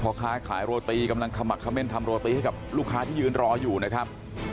พ่อค้าขายโรตีกำลังขมักเม่นทำโรตีให้กับลูกค้าที่ยืนรออยู่นะครับ